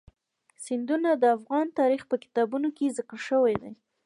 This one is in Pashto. سیندونه د افغان تاریخ په کتابونو کې ذکر شوی دي.